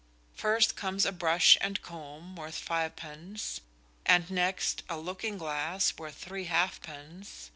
First comes a brush and comb worth fivepence, and next a looking glass worth three halfpence.